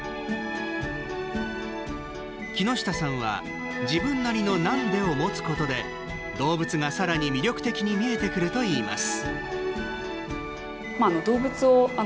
きのしたさんは、自分なりの「なんで？」を持つことで動物が、さらに魅力的に見えてくるといいます。